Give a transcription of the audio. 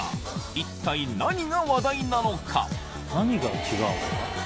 一体何が話題なのか？